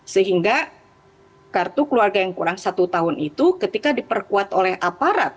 sehingga kartu keluarga yang kurang satu tahun itu ketika diperkuat oleh aparat